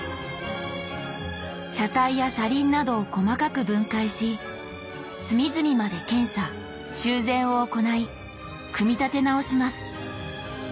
車体や車輪などを細かく分解し隅々まで検査・修繕を行い組み立て直します。